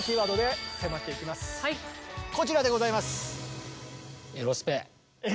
こちらでございます。